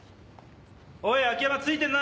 おい秋山ツイてんな！